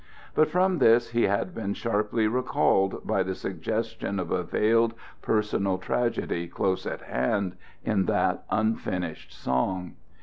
But from this he had been sharply recalled by the suggestion of a veiled personal tragedy close at hand in that unfinished song.